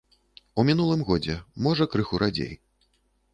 У мінулым годзе, можа, крыху радзей.